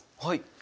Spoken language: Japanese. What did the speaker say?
はい。